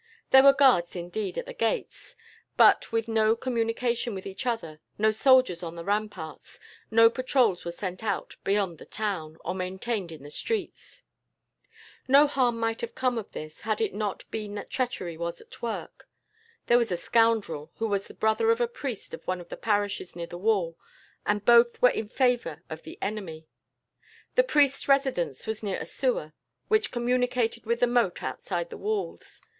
There were guards, indeed, at the gates, but with no communication with each other; no soldiers on the ramparts; no patrols were sent out beyond the town, or maintained in the streets. "No harm might have come of this, had it not been that treachery was at work. There was a scoundrel, who was brother of the priest of one of the parishes near the wall, and both were in favour of the enemy. The priest's residence was near a sewer, which communicated with the moat outside the walls.